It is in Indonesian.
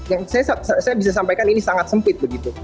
yang saya bisa sampaikan ini sangat sempit begitu